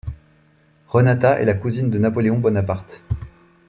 Renata est la cousine de Napoléon Bonaparte.